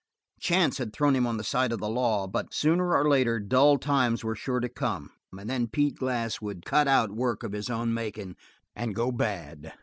Chance had thrown him on the side of the law, but sooner or later dull times were sure to come and then Pete Glass would cut out work of his own making go bad.